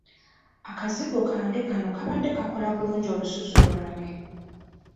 Akazigo kange kano kabadde kakola bulungi olususu lwange.